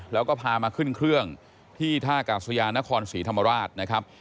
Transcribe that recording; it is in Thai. แล้วก็พามาขึ้นเครื่องที่ท่ากาศยานครศรีธรรมราชนะครับ